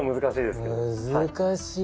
難しいな。